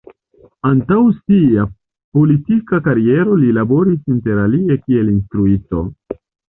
Antaŭ sia politika kariero li laboris interalie kiel instruisto.